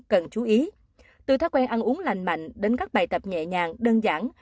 cần chú ý từ thói quen ăn uống lành mạnh đến các bài tập nhẹ nhàng đơn giản